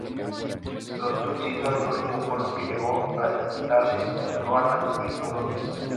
Los tutsi son el último pueblo que llegó a asentarse en Ruanda y Burundi.